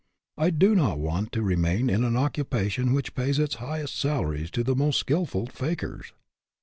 I do not want to re main in an occupation which pays its highest salaries to the most skillful fakirs."